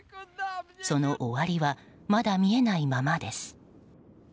その終わりはまだ見えないままです。